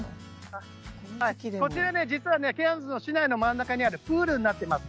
こちら実はケアンズの市内の真ん中にあるプールになっています